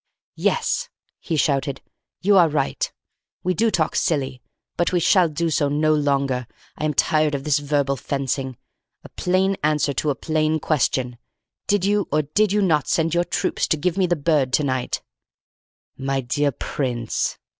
"Yes," he shouted, "you are right. We do talk silly; but we shall do so no longer. I am tired of this verbal fencing. A plain answer to a plain question. Did you or did you not send your troops to give me the bird to night?" "My dear Prince!"